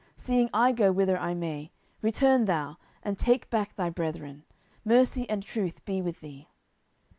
seeing I go whither I may, return thou, and take back thy brethren: mercy and truth be with thee.